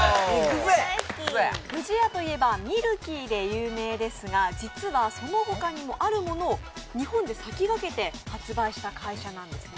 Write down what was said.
不二家といえばミルキーで有名ですが実はそのほかにもあるものを日本に先駆けて発売した会社なんですね。